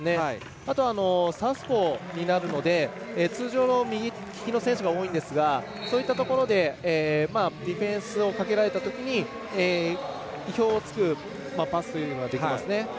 あと、サウスポーになるので通常は右利きの選手が多いんですけどそういったところでディフェンスをかけられたときに意表をつくパスというのはできますね。